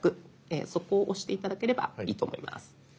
そこを押して頂ければいいと思います。